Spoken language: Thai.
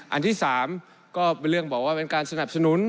อันที่๓ก็เป็นเรื่องบอกว่าเป็นการสนับสนุน